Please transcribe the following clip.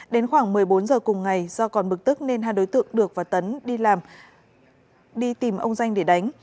đến khoảng một mươi bốn giờ cùng ngày do còn bực tức nên hai đối tượng được và tấn đi làm đi tìm ông danh để đánh